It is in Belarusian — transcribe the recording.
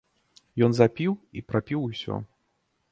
Ён запіў і прапіў усё.